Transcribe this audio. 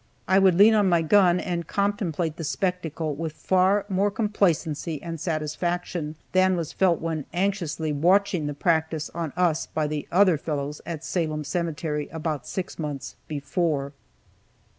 I would lean on my gun and contemplate the spectacle with far more complacency and satisfaction than was felt when anxiously watching the practice on us by the other fellows at Salem Cemetery about six months before.